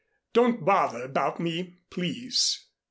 "Don't bother about me, please."